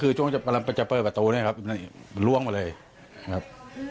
คือช่วงกำลังจะเปิดประตูเนี่ยครับมันล่วงมาเลยครับ